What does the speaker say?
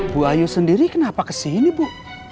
bu ayu sendiri kenapa kesini bu